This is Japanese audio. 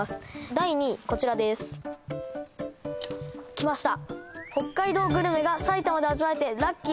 第２位こちらですきました